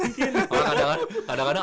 orang kadang kadang alatnya belum datang